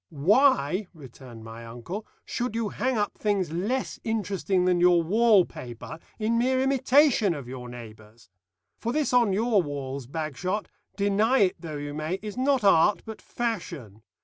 "Why," returned my uncle, "should you hang up things less interesting than your wall paper, in mere imitation of your neighbours? For this on your walls, Bagshot, deny it though you may, is not art but fashion.